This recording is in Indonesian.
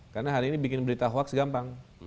karena hari ini bikin berita hoax gampang